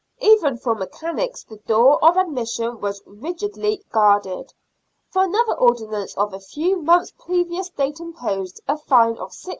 Even for mechanics the door of admission was rigidly guarded, for another ordinance of a few months previous date imposed a fine of 6s.